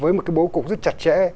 với một cái bố cục rất chặt chẽ